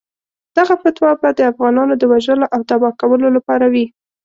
دغه فتوا به د افغانانو د وژلو او تباه کولو لپاره وي.